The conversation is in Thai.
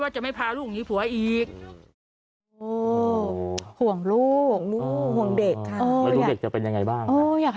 ว่าจะไม่พาลูกหนีผัวอีก